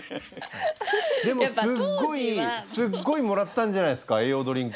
でもすっごいもらったんじゃないですか栄養ドリンク。